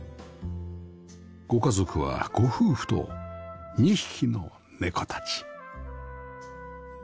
ご家族はご夫婦と２匹の猫たち